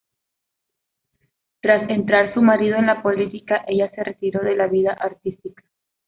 Tras entrar su marido en la política, ella se retiró de la vida artística.